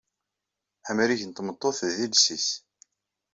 Amrig n tmeṭṭut d iles-is.